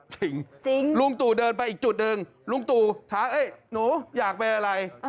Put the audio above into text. ลุงตู่เดินไปอีกจุดหนึ่งลุงตู่ถามหนูอยากเป็นอะไร